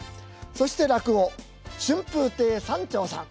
そして落語春風亭三朝さん。